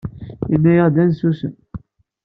Yenna-yaɣ-d ad nessusem.